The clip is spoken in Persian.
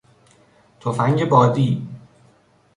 تفنگ بادی